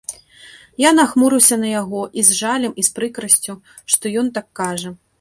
Я нахмурыўся на яго і з жалем і з прыкрасцю, што ён так кажа.